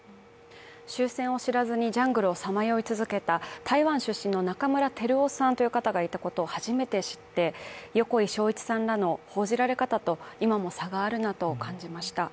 終戦を知らずにジャングルをさまよいつづけた台湾出身の中村輝夫さんという方がいたことを初めて知って、横井庄一さんらの報じられ方と今も差があるなと感じました。